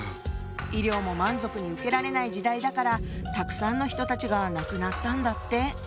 医療も満足に受けられない時代だからたくさんの人たちが亡くなったんだって。